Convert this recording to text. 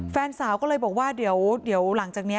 แฟนสาวก็เลยบอกว่าเดี๋ยวหลังจากนี้